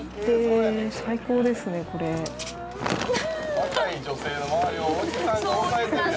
「若い女性の周りをおじさんが押さえてんねや」